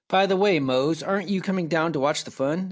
"By the way, Mose, aren't you coming down to watch the fun?"